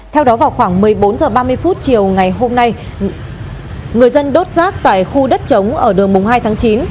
theo đó vào khoảng một mươi bốn h ba mươi chiều ngày hôm nay người dân đốt rác tại khu đất chống ở đường mùng hai tháng chín